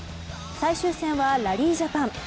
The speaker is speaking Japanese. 最終戦はラリージャパン。